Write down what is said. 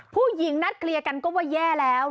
ผู้หญิงนัดเคลียร์กันก็ว่าแย่แล้ว